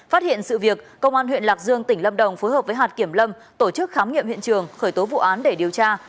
phát hiện sự việc công an huyện lạc dương tỉnh lâm đồng phối hợp với hạt kiểm lâm tổ chức khám nghiệm hiện trường khởi tố vụ án để điều tra